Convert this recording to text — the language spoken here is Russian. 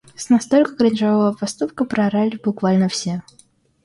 С настолько кринжового поступка проорали буквально все.